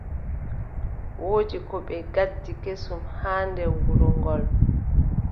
Woodi ko ɓe ngaddi kesum haa nder wuro ngol.